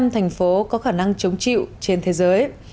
một trăm linh thành phố có khả năng chống chịu trên thế giới